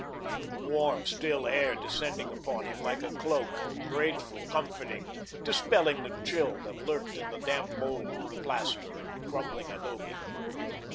The warm, still air descended upon him like a cloak, grateful, comforting, dispelling the chill that lurked in the damp mould of plaster and crumbling adobe.